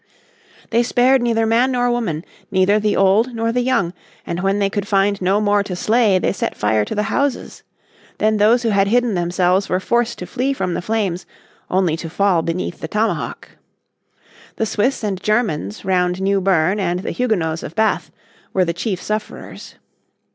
They spared neither man nor woman, neither the old nor the young; and when they could find no more to slay they set fire to the houses. Then those who had hidden themselves were forced to flee from the flames, only to fall beneath the tomahawk. The Swiss and Germans round New Berne and the Huguenots of Bath were the chief sufferers.